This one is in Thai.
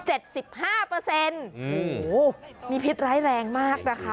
โอ้โหมีพิษร้ายแรงมากนะคะ